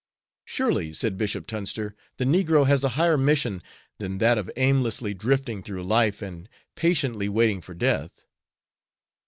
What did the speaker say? "Surely," said Bishop Tunster, "the negro has a higher mission than that of aimlessly drifting through life and patiently waiting for death."